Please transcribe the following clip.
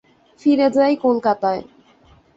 ফিরে যাই কলকাতায়।